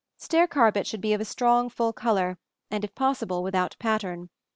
Stair carpets should be of a strong full color and, if possible, without pattern.